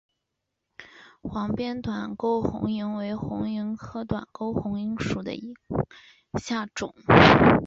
黄边短沟红萤为红萤科短沟红萤属下的一个种。